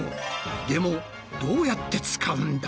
でもどうやって使うんだ？